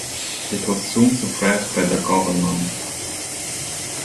It was soon suppressed by the government.